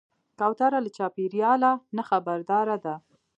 کوتره له چاپېریاله نه خبرداره ده.